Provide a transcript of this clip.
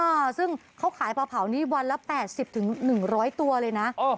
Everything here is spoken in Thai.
อ่าซึ่งเขาขายพาเผานี่วันละแปดสิบถึงหนึ่งร้อยตัวเลยน่ะอ๋อ